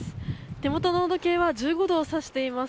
手元の温度計は１５度を指しています。